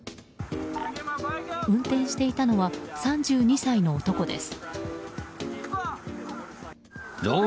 運転していたのは３２歳の男です。